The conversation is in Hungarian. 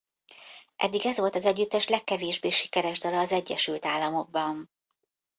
Eddig ez volt az együttes legkevésbé sikeres dala az Egyesült Államokban.